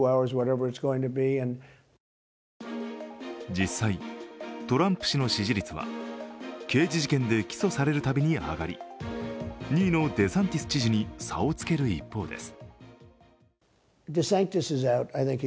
実際、トランプ氏の支持率は、刑事事件で起訴されるたびに上がり、２位のデサンティス知事に差をつける一方です。